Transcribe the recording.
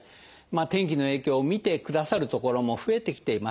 天気の影響を診てくださる所も増えてきています。